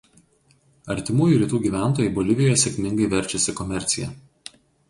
Artimųjų Rytų gyventojai Bolivijoje sėkmingai verčiasi komercija.